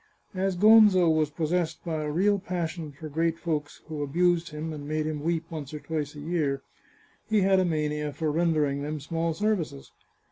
As Gonzo was possessed by a real passion for great folks who abused him and made him weep once or twice a year, he had a mania for rendering them small services.